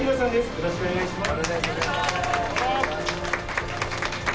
よろしくお願いします。